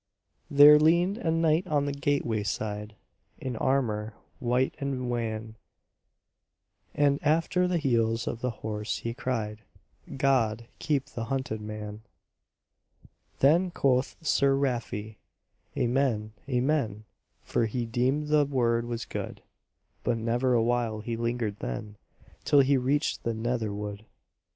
There leaned a knight on the gateway side In armour white and wan, And after the heels of the horse he cried, "God keep the hunted man!" Then quoth Sir Rafe, "Amen, amen!" For he deemed the word was good; But never a while he lingered then Till he reached the Nether Wood.